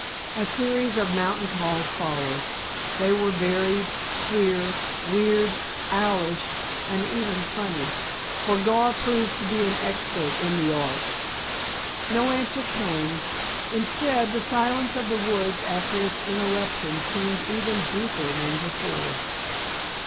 A series of mountain calls followed. They were varied, queer, weird, owlish and even funny, for Gar proved to be an expert in the art. No answer came. Instead, the silence of the woods after its interruption seemed even deeper than before.